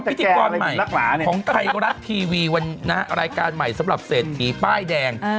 พิธีกรใหม่ของไทยรัฐทีวีวันนะฮะรายการใหม่สำหรับเศรษฐีป้ายแดง